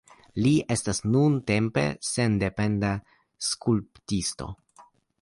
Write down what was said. Li estas nuntempe sendependa skulptisto.